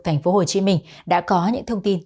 tp hcm đã có những thông tin